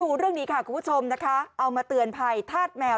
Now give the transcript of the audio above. ดูเรื่องนี้ค่ะคุณผู้ชมนะคะเอามาเตือนภัยธาตุแมว